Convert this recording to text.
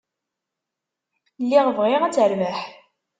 Lliɣ bɣiɣ ad terbeḥ.